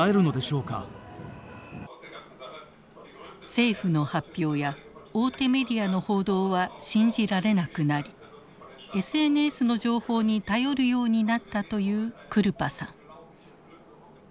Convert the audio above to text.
政府の発表や大手メディアの報道は信じられなくなりＳＮＳの情報に頼るようになったというクルパさん。